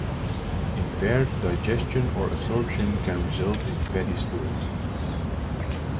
Impaired digestion or absorption can result in fatty stools.